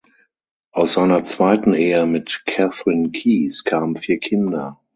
Aus seiner zweiten Ehe mit Kathryn Keys kamen vier Kinder.